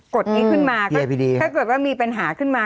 กฎนี้ขึ้นมาค่ะถ้าเกิดว่ามีปัญหาขึ้นมา